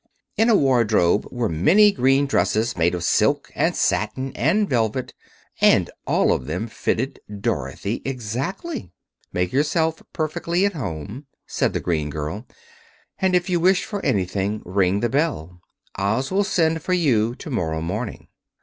In a wardrobe were many green dresses, made of silk and satin and velvet; and all of them fitted Dorothy exactly. "Make yourself perfectly at home," said the green girl, "and if you wish for anything ring the bell. Oz will send for you tomorrow morning."